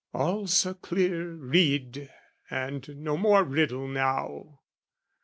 All's a clear rede and no more riddle now.